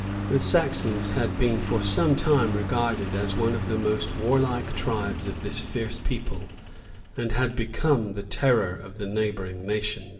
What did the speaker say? [*][* Tacit. de Mor. Germ] The Saxons had been for some time regarded as one of the most warlike tribes of this fierce people, and had become the terror of the neighboring nations.